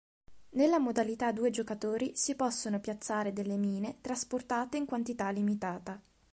Nella modalità a due giocatori si possono piazzare delle mine, trasportate in quantità limitata.